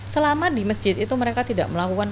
selama di masjid itu mereka tidak melakukan